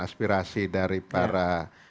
aspirasi dari para